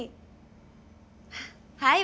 はい。